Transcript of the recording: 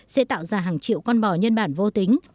sẽ tạo ra hàng triệu con bò nhân bản vô tính